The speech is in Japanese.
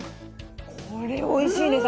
これおいしいね